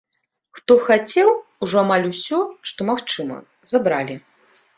Хто хацеў, ужо амаль усё, што магчыма, забралі.